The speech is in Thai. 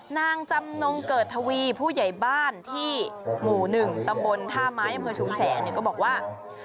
นางจำนงเกิดทวีผู้ใหญ่บ้านที่หมู่๑ตำบลท่าไม้อำเภอชุมแสงก็บอกว่า